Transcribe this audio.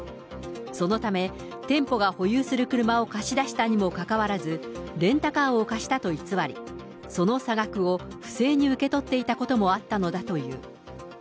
そのため、店舗が保有する車を貸し出したにもかかわらず、レンタカーを貸したと偽り、その差額を不正に受け取っていたこともあったのだという。